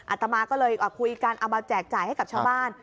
อาตมาก็เลยคุยกันเอามาแจกจ่ายให้กับชาวบ้าน